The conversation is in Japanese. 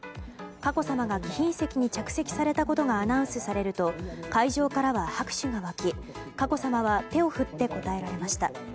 佳子さまが貴賓席に着席されたことがアナウンスされると会場からは拍手がわき佳子さまは手を振って応えられました。